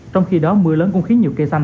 trong khi đó mưa lớn cũng khiến nhiều cây xanh